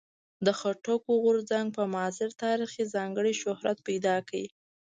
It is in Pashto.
د خټکو غورځنګ په معاصر تاریخ کې ځانګړی شهرت پیدا کړ.